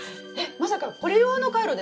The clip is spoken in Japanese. まさかこれ用のカイロですか？